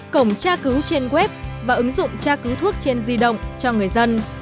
cổng tra cứu trên web và ứng dụng tra cứu thuốc trên di động cho người dân